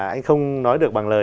anh không nói được bằng lời